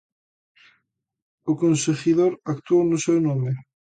O conseguidor actuou no seu nome?